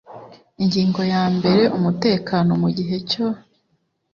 Ingingo ya mbere Umutekano mu gihe cyo